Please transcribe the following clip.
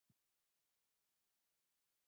غرونه د افغانستان د شنو سیمو ښکلا ده.